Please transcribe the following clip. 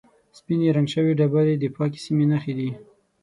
سپینې رنګ شوې ډبرې د پاکې سیمې نښې دي.